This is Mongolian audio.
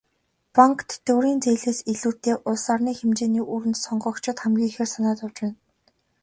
Банк, тэтгэврийн зээлээс илүүтэй улс орны хэмжээний өрөнд сонгогчид хамгийн ихээр санаа зовж байна.